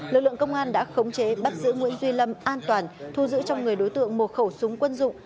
lực lượng công an đã khống chế bắt giữ nguyễn duy lâm an toàn thu giữ trong người đối tượng một khẩu súng quân dụng